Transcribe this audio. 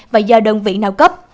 và do đơn vị nào cấp